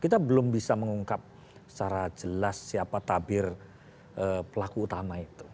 kita belum bisa mengungkap secara jelas siapa tabir pelaku utama itu